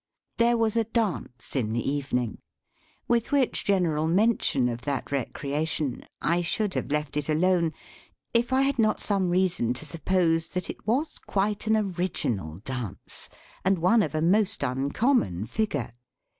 There was a dance in the evening. With which general mention of that recreation, I should have left it alone, if I had not some reason to suppose that it was quite an original dance, and one of a most uncommon figure.